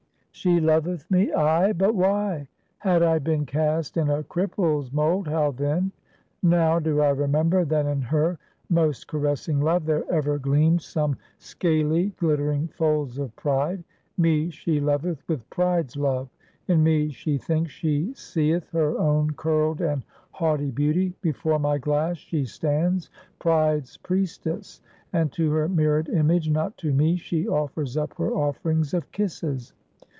She loveth me, ay; but why? Had I been cast in a cripple's mold, how then? Now, do I remember that in her most caressing love, there ever gleamed some scaly, glittering folds of pride. Me she loveth with pride's love; in me she thinks she seeth her own curled and haughty beauty; before my glass she stands, pride's priestess and to her mirrored image, not to me, she offers up her offerings of kisses.